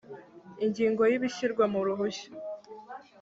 ingingo ya ibishyirwa mu ruhushya